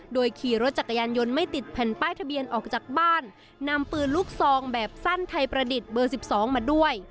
โดยขี่รถจักรยานยนต์ไม่ติดแผ่นป้ายทะเบียนออกจากบ้านนำปืนลูกซองแบบสั้นไทยประดิษฐ์เบอร์๑๒มาด้วย